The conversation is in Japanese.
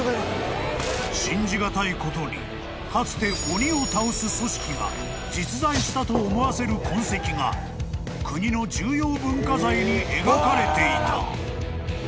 ［信じ難いことにかつて鬼を倒す組織が実在したと思わせる痕跡が国の重要文化財に描かれていた］